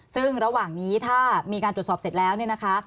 ซึ่งระหว่างนี้ถ้ามีการตรวจสอบเสร็จแล้วเนี่ยนะคะ